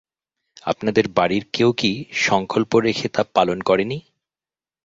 আপনাদের বাড়ির কেউ কি সঙ্কল্প রেখে তা পালন করেনি?